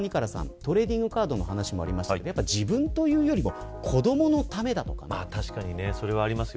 トレーディングカードの話もありましたが自分というよりも確かに、それはありますよ。